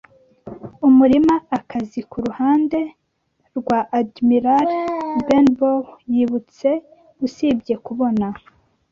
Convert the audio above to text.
umurima-akazi kuruhande rwa Admiral Benbow yibutse, usibye, kubona